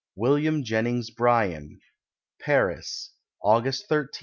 William Jennings Bryan. Paris, August 13, 1906.